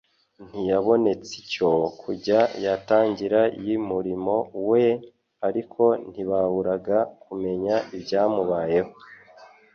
Ntiyabonetscyo kuya yatangira ymurimo we, ariko ntibaburaga kumenya ibyamubayeho.